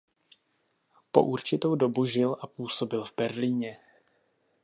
Po určitou dobu žil a působil v Berlíně.